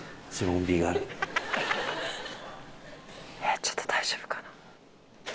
ちょっと大丈夫かな。